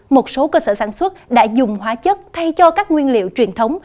một số cơ sở sản xuất đã dùng hóa chất thay cho các nguyên liệu truyền thống